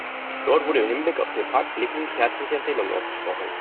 Dort wurden im Hinblick auf den Pakt lediglich herzliche Empfehlungen ausgesprochen.